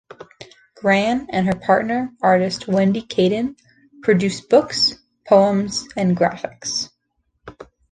Grahn and her partner, artist Wendy Cadden, produced books, poems, and graphics.